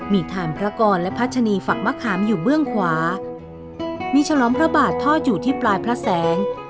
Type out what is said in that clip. มีฐานพระกรและพัชนีฝักมะขามอยู่เบื้องขวามีฉลองพระบาททอดอยู่ที่ปลายพระแสง